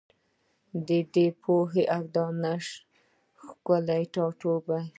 دی د پوهي او دانش ښکلی ټاټوبی